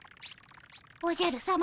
おじゃるさま